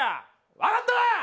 分かったか！